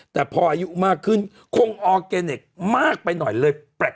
แต่พออายุมากขึ้นคงออร์แกเนคมากไปหน่อยเลยแปลก